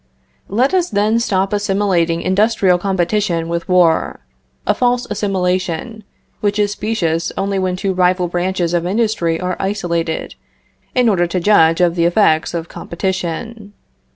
Let us then stop assimilating industrial competition with war; a false assimilation, which is specious only when two rival branches of industry are isolated, in order to judge of the effects of competition.